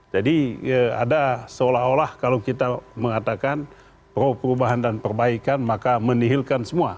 jadi ada seolah olah kalau kita mengatakan perubahan dan perbaikan maka menihilkan semua